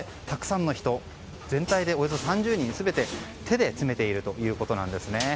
たくさんの人全体でおよそ３０人手で詰めているということです。